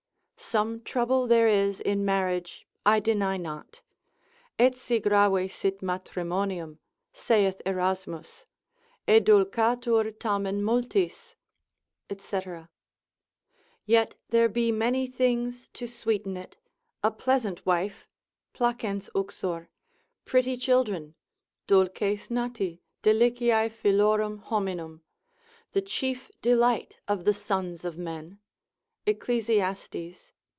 Some trouble there is in marriage I deny not, Etsi grave sit matrimonium, saith Erasmus, edulcatur tamen multis, &c., yet there be many things to sweeten it, a pleasant wife, placens uxor, pretty children, dulces nati, deliciae filiorum hominum, the chief delight of the sons of men; Eccles. ii.